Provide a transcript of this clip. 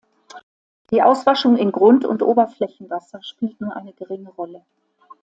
Die Auswaschung in Grund- und Oberflächenwasser spielt nur eine geringe Rolle.